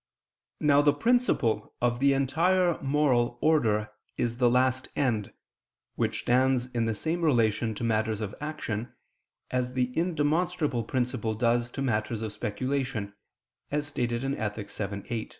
Now the principle of the entire moral order is the last end, which stands in the same relation to matters of action, as the indemonstrable principle does to matters of speculation (Ethic. vii, 8).